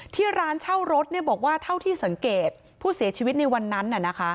ที่ร้านเช่ารถบอกว่าเท่าที่สังเกตผู้เสียชีวิตในวันนั้น